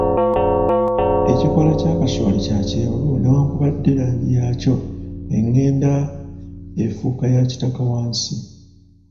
Ekikoola kya kasooli kya kyenvu newankubadde langi yakyo engenda effuuka ya kitaka wansi.